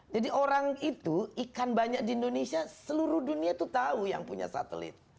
jadi orang itu ikan banyak di indonesia seluruh dunia tuh tahu yang punya satelit